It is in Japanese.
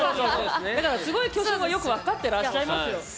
だからすごい巨匠もよく分かってらっしゃいますよ。